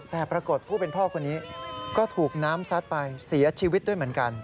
แต่ปรากฏผู้เป็นพ่อคนนี้ก็ถูกน้ำซัดไปเสียชีวิตด้วยเหมือนกัน